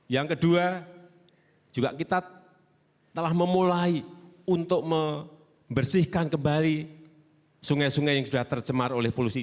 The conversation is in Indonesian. yang kedua juga kita telah memulai untuk membersihkan kembali sungai sungai yang sudah tercemar oleh polusi